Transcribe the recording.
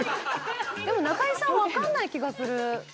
でも中居さんわかんない気がする。